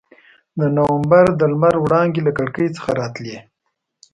د نومبر د لمر وړانګې له کړکۍ څخه راتلې.